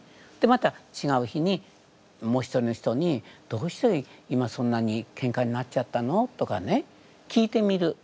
また違う日にもう一人の人に「どうして今そんなにけんかになっちゃったの？」とかね聞いてみる。